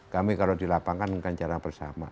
kami kalau dilapangkan dengan cara bersama